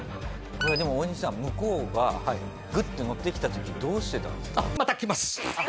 これでもオオニシさん向こうがグッて乗ってきた時どうしてたんですか？